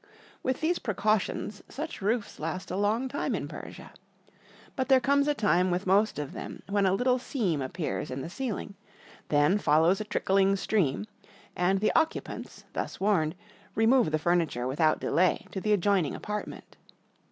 With these precautions such roofs last a long time in Persia. But there comes a time with most of them when a Httle seam appears in the ceiUng; then follows a trickling stream, and the occu pants, thus warned, remove the furniture without delay to the adjoining apartment.